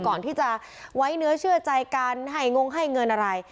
ก่อนที่จะไว้เนื้อเชื่อใจกันให้งงให้เงินอะไร